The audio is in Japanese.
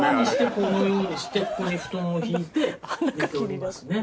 このようにしてここに布団を敷いて寝ておりますね。